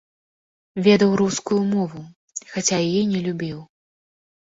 Ведаў рускую мову, хаця яе не любіў.